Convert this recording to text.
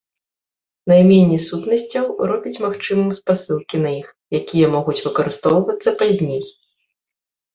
Найменне сутнасцяў робіць магчымым спасылкі на іх, якія могуць выкарыстоўвацца пазней.